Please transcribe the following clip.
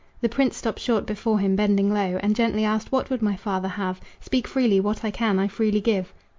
The prince stopped short before him, bending low, And gently asked: "What would my father have? Speak freely what I can, I freely give."